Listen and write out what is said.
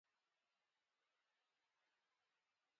غول د خراب هاضمې نغوته ده.